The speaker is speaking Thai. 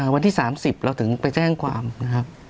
วันที่๓๐เราถึงไปแจ้งความนะครับ